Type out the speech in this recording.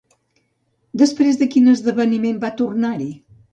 Després de quin esdeveniment va tornar-hi?